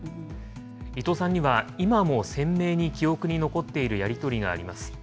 伊藤さんには今も鮮明に記憶に残っているやり取りがあります。